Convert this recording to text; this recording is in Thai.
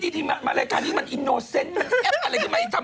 คุณไปสัมภาษณ์ในรายการอื่นคุณจำ